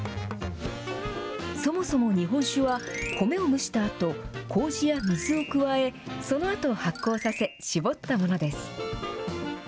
そもそも日本酒は、米を蒸したあと、こうじや水を加え、そのあと発酵させ、搾ったものです。